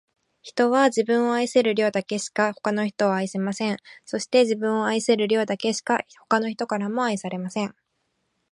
人は、自分を愛せる量だけしか、他の人を愛せません。そして、自分を愛せる量だけしか、他の人からも愛されません。